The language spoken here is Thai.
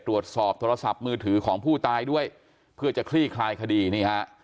ตรวจสอบโทรศัพท์มือถือของผู้ตายด้วยเพื่อจะคลี่คลายคดีนี่ฮะ